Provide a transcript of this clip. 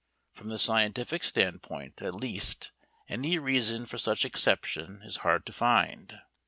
From the scientific standpoint at least any reason for such exception is hard to find.